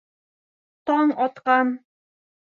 Таң атҡан.